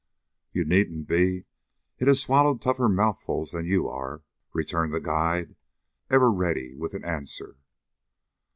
"You needn't be. It has swallowed tougher mouthfuls than you are," returned the guide, ever ready with an answer.